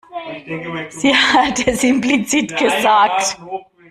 Sie hat es implizit gesagt.